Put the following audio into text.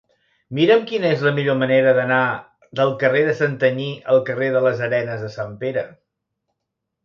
Mira'm quina és la millor manera d'anar del carrer de Santanyí al carrer de les Arenes de Sant Pere.